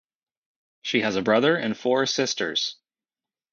She has a brother and four sisters.